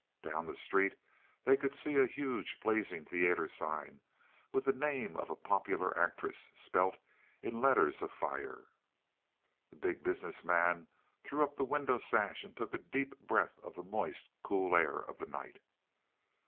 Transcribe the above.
Down the street they could see a huge blazing theater sign, with the name of a popular actress spelt in letters of fire. The Big Business Man threw up the window sash and took a deep breath of the moist, cool air of the night.